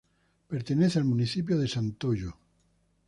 Pertenece al municipio de Santoyo.